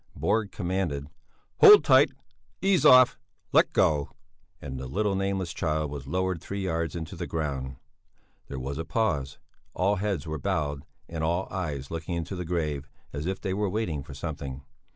Borg commanded: "Hold tight! Ease off! Let go!" And the little nameless child was lowered three yards into the ground. There was a pause; all heads were bowed and all eyes looking into the grave, as if they were waiting for something.